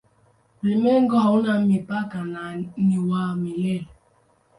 Ulimwengu hauna mipaka na ni wa milele.